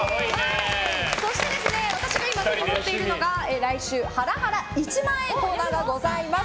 そして私が今持っているのが来週、ハラハラ１万円コーナーがございます。